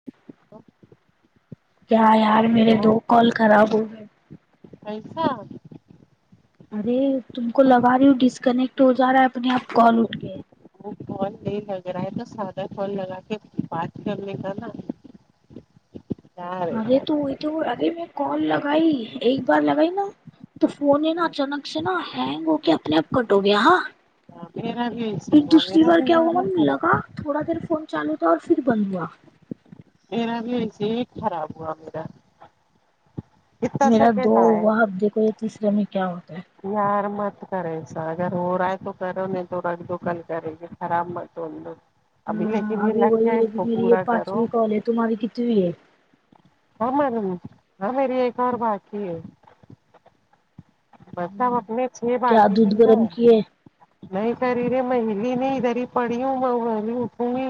[inaudible] کیا یار میرے دو کال خراب ہوگی پیسا ارے تم کو تو لگا رہی ہوں ڈسکنیکٹ ہو جا رہا ہے اپنے آپ کال اٹھ کے وہال نہیں لگ رہا ہے تو سادہ فال لگا کے بات کرنے کا نا کیا رہے ارے گا تو وہی تو ارے میں کال لگائی ایک بار لگائی نا تو فون ہے نا اچانک سے نا ہینگ ہو کے اپنے آپ کٹ ہو گیا ہاں میرا بھی ایسی پھر ہوا دوسری میرا بار بھی کیا ہوا نا م خراب لگا تھوڑا دیر فون چالو تھا اور پھر بند ہوا میرا بھی ایسے خراب ہوا میرا کتنا میرا دو سیکنڈ آئے ہوا اب دیکھو یہ تیسرے میں کیا ہوتا ہے یار مت کر ایسا اگر ہو رہا ہے تو کرو نہیں تو رکھ دو کل کرے گی خراب مت ہ ہ ابھی وہی میری یہ کرو پانچو کال ہے تمہاری کتنی ہے مری ایک اور باقی ہے بس ہم اپنے چھ کیا باقی تھے دودھ نا گرم کیے نہیں خریرے میں ہلی نہیں ادھر ہی پڑی ہوں میں وہ اکوں گی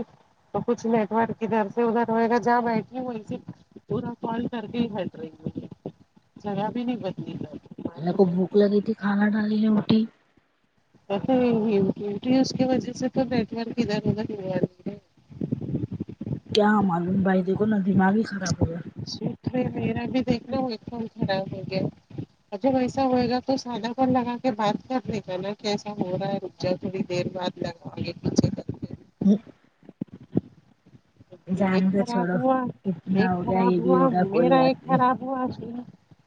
تو کچھ نیٹ ورک کیدھر سے ادھر ہوئے گا جہ بیٹھی ہوئی س پورا کال کر کے ہی ہٹ رہی بے جگہ بھی نہیں بدنی ل اللہ کوب بھوک لگی تھی کھانا ڈال میں اٹھی اس کی وجہ سے تو نیٹورک ادھر ہوگا کیا معلوم بھائی دیکھو نا دماغ ہی خراب ہو گیا سٹ میرا بھی دماغ ایک دم خراب ہو گیا جب ایسا ہوئے گا تو سادہ گ لگا کے بات کر لے گا نا کیسا ہو رہا ہے رک جا تھوڑی دیر بعد [inaudible] [inaudible] ایک جان کا خراب چھوڑو ہوا اتنا ایک ہو گیا خراب یہ بھی ہوا ہوگا کوئی میرا ایک بات نہیں خراب ہوا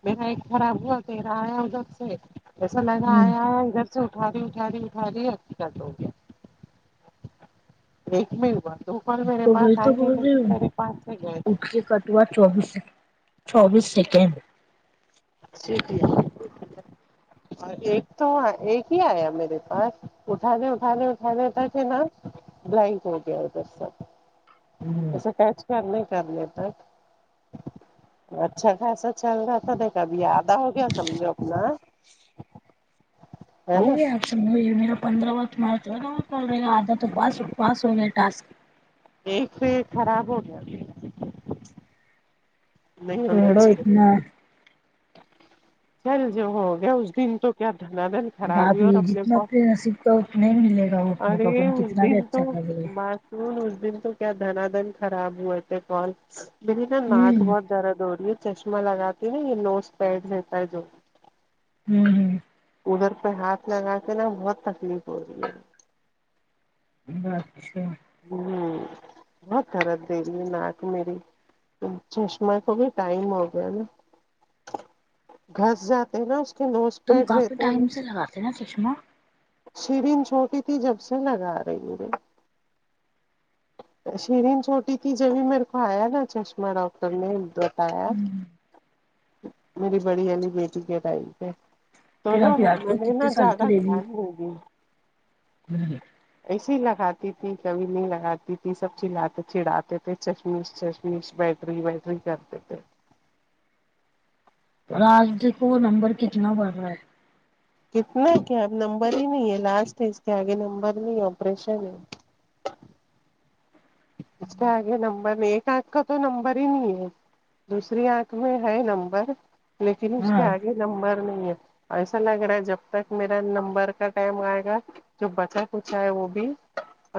میرا ایک خراب ہوا کہہ رہا ہے آیا ادھر سے ایسا لگا ہ آیا ادھر اٹھاری اٹھاری اٹھاری ادکت ہو گی ایک نہیں ہوا دو بار میرے تو وہی پاس تو آئیں بول گے رہی لیکن ہوں میرے پاس سے گئے تو اٹھ کے کٹوا چوبیس چوبیس سیکنڈ ا ایک تو ایک ہی آیا میرے پاس اٹھانے اٹانے اٹھانےتا تھ نا بلینک ہو گیا ادھر سب ایکا کیچ کرنے کر لیتا اچھا خاسا چل رہا تھا دیکھ کبھی آدھا ہو گیا کبھی سمجھو اپنا ہے ہو نا گیا آپ میرا پندرہ وقت مارچا ک رہےا آدا تو پاس پاس ہو گیا ٹاسک ایک پ خراب ہو گیا ہونا تھوڑا چاہیے اتنا چل جو ہو گیا اس دن تو کیا دھنا دھن خرابی اور بھابھی اپنے جتنا پاپ نصیب کا اتنا ہی ملے گا وہ اپنے کو اپن ارے کتنا دن بھی تو اچھا کر لے مات اس دن تو کیا دھنا دھن خراب ہوئے تھے کال مری نا ناک ہوں بہت درد ہو رہی ہے چشمہ لگاتی ہے نا یہ نو پیڈ رہتا ہے جو ہمم ہمم ادھر پہ ہاتھ لگا کے نا بہت تکلیف ہو رہی ہے اچھا ہوں بہت درد دے رہی ہے ناک میری چشمہ کو بھی ٹائم ہو گیا نا گھس جاتے نا اس کے نوش تم پیر کافی رہتے ل ٹائم سے لگاتے نا چشمہ سرین چھوٹی تھی جب سے لگا رہیے شرین چھوٹی تھی جبھی میرے کو آیا نا چشمہ ڈاکٹر نے بتایا [inaudible] ہ میری بڑی والی بیٹی کے ٹائم ہے تو پھر نا آپ یاد میں کرو نے نا کتنے سال زیادہ کی رہی دھیان نہیں دیا ایسے لگاتی تھی کبھی نہیں لگاتی تھی سب چاتے چڑھاتے تھے چشمش چشمش بیٹری وٹری کرتے تھے راج د کوو نمبر کتنا بڑھ رہا ہے کتنا کیا ا نمبر ہی نہیں ہے لاسٹ ہے اس کے آگے نمبر نہیں ہے آپریشن ہے ا آگے نمبمر آنکھ کا تو نمبر ہی نہیں ہے دوسری آنکھ میں ہے نمبر لیکن اس ہاں کے آگے نمبر نہیں ہے ایسا لگ رہا ہے جب تک میرا نمبر کا ٹائم آئے گا جو بچا کچھ ہے وہ بھی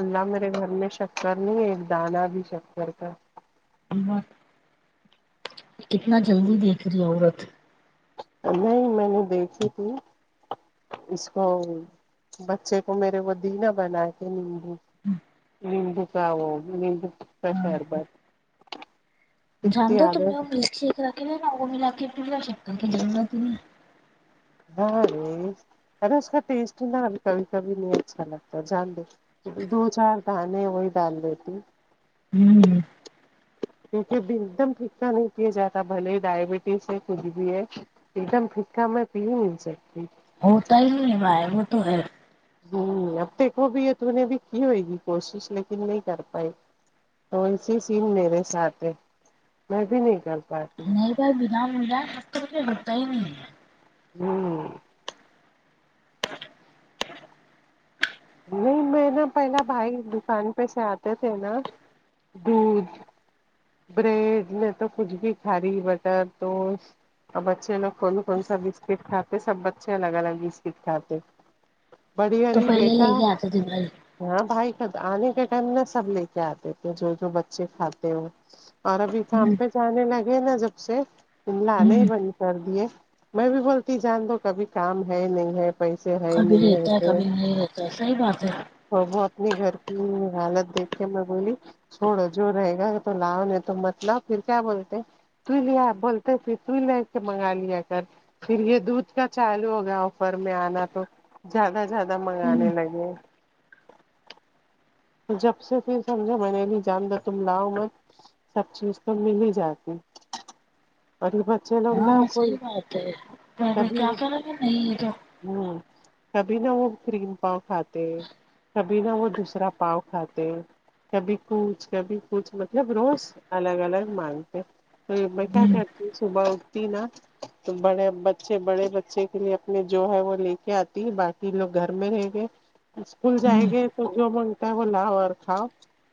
اللہ میرے گھر میں شکر نہیں ہے دانا بھی شک کر تھا ہمت [unintelligible] کتنا جلدی دیکھ رہی ہے عورت نہیں میں نے دیکھیھی تھی اس کو بچے کو میرے وہ دینا بنا کے ند نمبو کا وہ نمبو کا شربات جان دو ہو تم نے وہ مک ش کرا کے لےا وہ ملا کے پا شکتا کہ جنا ت نہیں ہرے ارے اس کا ٹیسٹ نہ ہم کبھی کبھی نہیں اچھا لگتا جان د دو چار دھان وہی ڈال دیتی ہوں کیونکہ ا بھی ایک دم ٹھیک ھا نہیں کیا جاتا بھلے ڈائبٹیز ہے کچھ بھی ہے ایک دم فھتکا میں پی نہیں سکتی ہوتا ہی نہیں بائی وہ تو ہے ہ اب دیکھ وہ بھی ہے تو نے بھی کی ہوئے گی کوشش لیکن نہیں کر پائے تو ایسی سی میرے ساتھ ہے میں بھی نہیں کر پاتی نہیں ب بنا ملا مجھے ہوتا ہی نہیں ہے ہوں نہیں میں نا پہلا بھائی دکان پہ سے آتے تھے نا دھ [unintelligible] ارے می تو کچھ بھی کھاری بٹر توس اور بچے لو کون کون سا بسکٹ کاتے سب بچے الگ الگ بسکٹ کھاتے تو بڑیلی پہلے بیٹ لے کے آتے د بھای ہاں بھائی کا آنے کے ٹائم میں سب لے کے آتے تھے جو جو بچے کھاتے وہ اور ابھی کام پہ جانے لگے نا جب سے لانے ہی ہمم بند کر دیے میں بھی بولتی جان دو کبھی کام ہے نہیں ہے پیسے ہے کبھی نہیں رہتا ہے کبھی تو نہیں رہتا ہے صحی بات ہے وہ اپنی گھر کی حالت دیکھے میں بولی چوڑو جو رہے گا تو لاو نے تو مت لؤ پھر کیا بولتے ت لیا بولتے پھر تو لے کے منگا لیا کر پھر یہ دودھ کا چالو ہو گیا آفر میں آنا تو زیادہ زیادہ منگانے لگے تو جب سے پھر سمجھو میں نے لی جان د تم لاؤ مت سب چیز تو مل ہی جاتی پری بچ لگ نہا ہاں کوئی صحیح بات ہے کب پہلے ہ کیا کریں گے نہیں یہ کبھی نہ وہ کریم پاؤ کھاتے ہیں کبھی نہ وہ دوسرا پاؤ کھاتے کبھی کچھ کبھی کچھ مطلب روز الگ الگ مانگتے میں کیا کرتی ہوں صبح اٹتی نا تو بڑے بچے بڑے بچے کے لیے اپنے جو ہے وہ لے کے آتی ہے باقی لوگ گھر میں رہ گئے اسکول تو جائیں گے تو جو من وہ لاؤ اور کھؤ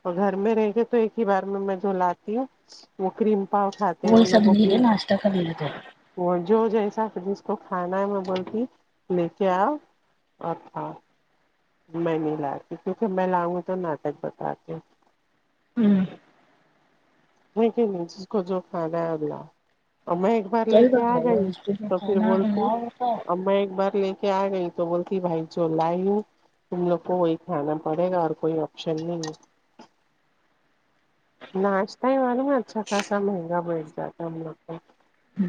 اور گھر میں رہ کے تو ایک ہی بار میں میں جو لاتی ہوں وہ کریم پاؤ کھاتے ہیں وہی ان سب لوگوں نیلے کی ناشتہ کر لیتے وہ جو جیسا جس کو کھانا ہے میں بولتی لے کے آؤ اور کھاؤ میں نہیں لای کیونکہ میں لاؤں گی تو ناٹک بتا کے ہوں نہیںیک نہیں جس کو جو کھ رہا ہے اللہ اور میں بار لے صحیح کے بات آ ہے گئی اور اس پہ جو تو پھر کھانا بولتی ملاؤ ہوتا اا ہے ایک بار لے کے کیا گئی تو بولتی بھائی ج ل ہوں ت لوگ کو وہی کھانا پڑے گا اور کوئی آپشن نہیں ہے [inaudible] ناشتہ ہی والوں میں اچھا خاصا مہنگا بیٹھ جاتا ہے ہم لوگ کو جی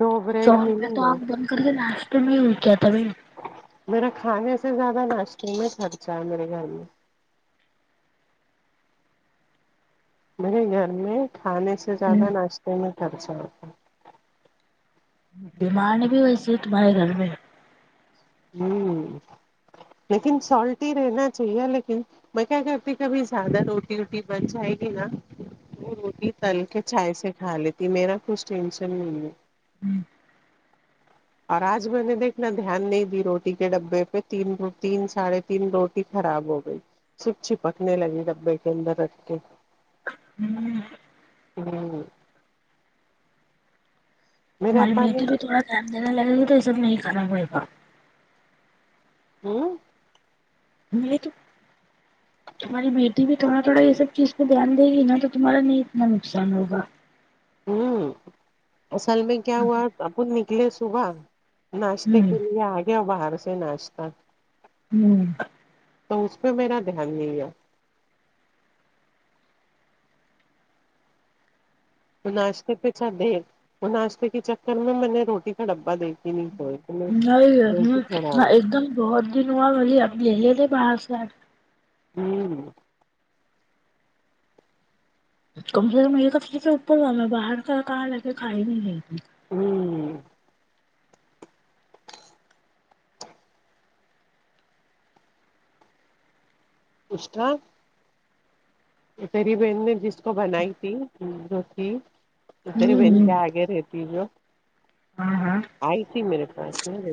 دو سو بریڈ روپئے ملے تو گئے آنگ بند کر کے ناشتے میں ہو کیا تھا ب میرا کھانے سے زیادہ ناشتے میں خرچہ ہے میرے گھر میں میرے گھر میں کھانے سے زیادہ ناشتے میں خرچہ ہوتا بیمار نہیں بھی ویسے تمہارے گھر میں ہوں لیکن سالٹ ہی رہنا چاہیے لیکن میں کیا کرتی کبھی زیادہ روٹی ووٹی بن جائے گی نا وہ روٹی تل کے چائے سے کھا لیتی میرا کچھ ٹینشن نہیں ہے ہوں اور آج میں نے دیکھنا دھیان نہیں روٹی کے ڈبے پہ تین تین ساڑھے تین روٹی خراب ہو گئی س چ پکنے لگی ڈبے کے اندر ر کے ہ ہ میرے ہماری ابا بیٹی نے تو تھوڑا دان دنے لگے گی تو یہ سب نہیں خراب ہوا ہوں مے تو تمہاری بیٹی بھی تھوڑا تھوڑا یہ سب چیز پہ دھیان دے گیا تو تمہارا نہیں اتنا نقصان ہوگ ہوں اصل میں کیا ہوا اب نکلے صبح ناشتے ہوں کے لیے آ گیا باہر سے ناشتہ ہوں تو اس پہ میرا دھیان نہیں ہےیا وہ ناشتے پہ چ دے وہ ناشتے کے چکر میں میں نے روٹی کا ڈبا دے کے نہیں ہوئے نہیں ایک دم بہت دن ہوا بلی اب لے لیتے باہر سے ہوں کم سے کم ایک کفرے سے اوپر والا میں باہر کا کہاں ل کے کھائی بھی نہیںئی تھی ہی اسا تیری بہن نے جس کو بنائی تھی جو کی تیری بہن ہ کیا آگے رہتی جو ہاں ہاں آئی تھی میرے پاس نب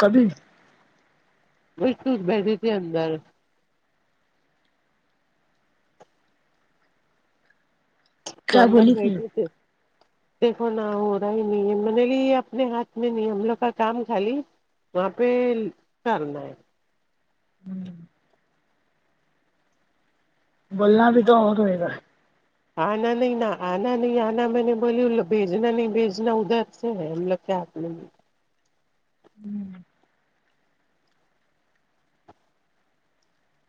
کبھی بس سچ بیٹھی تھی اندر تو کیا اندر بولی پھر بٹھیے تھے دیکھو ن ہو رہا ہی نہیں ہے م لی یہ اپنے ہاتھ میں نہیں ہم لوگ کا کام تھا یہ وہاں پہ کرنا ہے بولنا بھی تو ہو تمہیں کا آنا نہیں ن آنا نہیں آنا میں نے بول ل بیجنا نہیں بیجنا ادھر سے ہم لگ آنے [inaudible]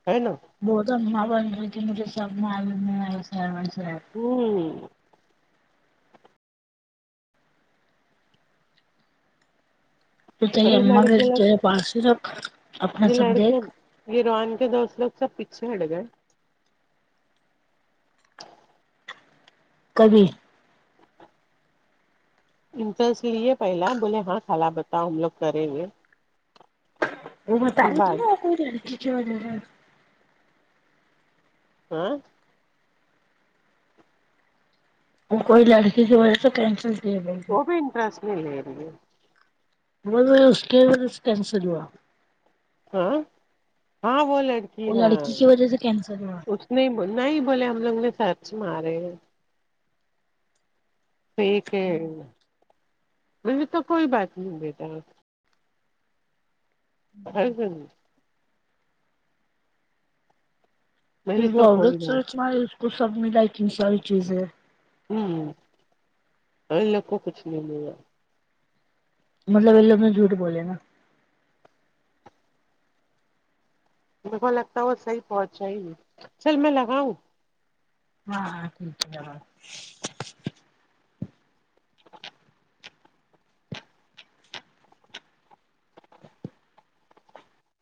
ہے نا [unintelligible] ہمم تو تری اور یہ اما کے لڑکے تیرے لوگ پارسی رکھ اپنا سب دیکھ گیروان کے دوست لوگ سب پیچھے ہٹ گئے کبھی امتیاز لی ہے پہلا بولے ہاں خالا بتاؤ ہم لوگ کریں گے وہ بتال بعد نہ [unintelligible] ہمم وہ کوئی لڑکی کی وجہ تو کیسل وہ بھی انٹرسٹ نہیں لے رہی ب اس کے وجہ سے کینسل ہوا ہاں ہاں بولے وہ لڑکی کی وجہ سے کینسر ہوا نہیں نہیں بولے ہم لوگ نے سرچ مارے ہیں پیک ہے مے تو کوئی بات نہیں بیٹا [unintelligible] میری پھر وہ تو کوئی عورت بات سورت مار اس کو سب ملا ہےت ساری چیزیں ہمم ان لوگ کو کچھ نہیں ما مطلب ا لو نے جھوٹ بول نا میر کو لگتا ہے وہ صحیح پہنچا ہی گ چل میں لگاؤں ہاں ہاں ٹھیک ہے ب